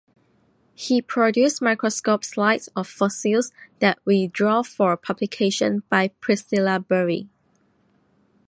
He produced microscope slides of fossils that were drawn for publication by Priscilla Bury.